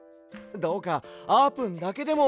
どうかあーぷんだけでも。